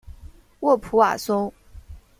沃普瓦松。